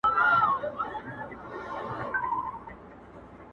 يعقوب عليه السلام د صبر جميل يادونه کړې ده.